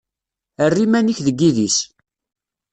Err iman-ik deg yidis.